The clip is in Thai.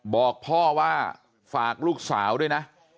บอกพ่อว่าฝากลูกสาวด้วยนะ